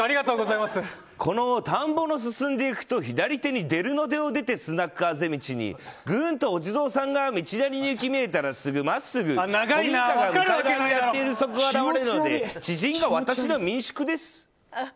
この田んぼの進んでいくと左手に出るのでを出てスナックあぜ道にぐんとお地蔵さんが道なりに来たら古民家が向かい側にやっているそこが現れるので知人が私が民宿です。